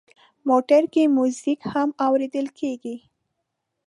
موټر کې میوزیک هم اورېدل کېږي.